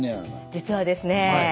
実はですね